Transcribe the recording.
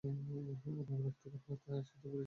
অন্যান্য ব্যক্তিগণ হইতে এখানেই সিদ্ধপুরুষের শ্রেষ্ঠতা।